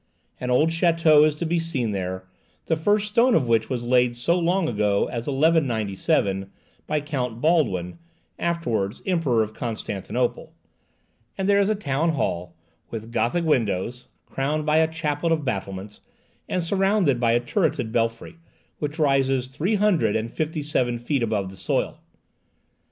An old château is to be seen there, the first stone of which was laid so long ago as 1197, by Count Baldwin, afterwards Emperor of Constantinople; and there is a Town Hall, with Gothic windows, crowned by a chaplet of battlements, and surrounded by a turreted belfry, which rises three hundred and fifty seven feet above the soil.